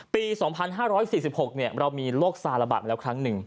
ปี๒๕๔๖เรามีโรคซาระบาดมาแล้วครั้งหนึ่ง